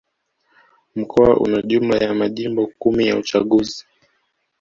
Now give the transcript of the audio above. Mkoa una jumla ya Majimbo kumi ya uchaguzi